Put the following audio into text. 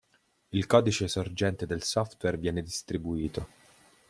Il codice sorgente del software viene distribuito.